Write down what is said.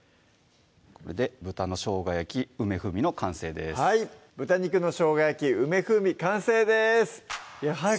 これで「豚のしょうが焼き梅風味」の完成ですはい